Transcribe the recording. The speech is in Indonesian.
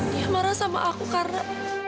dia marah sama aku karena